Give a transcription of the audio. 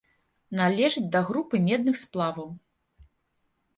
Належыць да групы медных сплаваў.